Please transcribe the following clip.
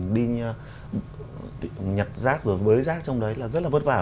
đi nhặt rác bới rác trong đấy là rất là vất vả